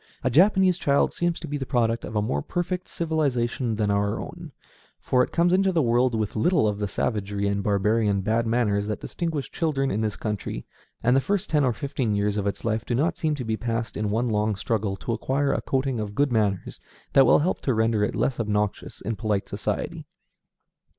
A Japanese child seems to be the product of a more perfect civilization than our own, for it comes into the world with little of the savagery and barbarian bad manners that distinguish children in this country, and the first ten or fifteen years of its life do not seem to be passed in one long struggle to acquire a coating of good manners that will help to render it less obnoxious in polite society.